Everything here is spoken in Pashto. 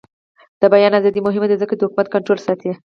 د بیان ازادي مهمه ده ځکه چې د حکومت کنټرول ساتي.